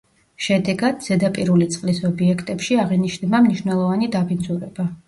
შედეგად, ზედაპირული წყლის ობიექტებში აღინიშნება მნიშვნელოვანი დაბინძურება.